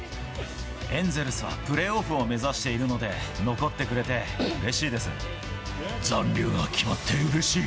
エンゼルスはプレーオフを目指しているので、残留が決まってうれしい。